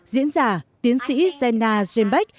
diễn ra tiến sĩ jenna zembeck